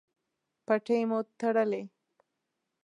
پټۍ مو تړلی؟